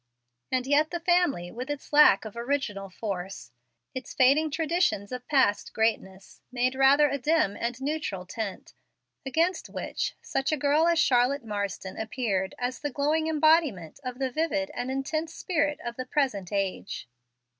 And yet the family, with its lack of original force, its fading traditions of past greatness, made rather a dim and neutral tint, against which such a girl as Charlotte Marsden appeared as the glowing embodiment of the vivid and intense spirit of the present age.